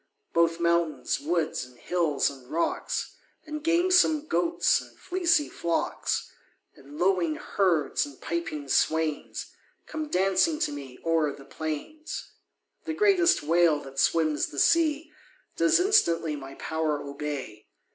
Both mountains, woods, and hills, and rocks And gamesome goats, and fleecy flocks, And lowing herds, and piping swains, Come dancing to me o'er the plains. The greatest whale that swims the sea Does instantly my power obey.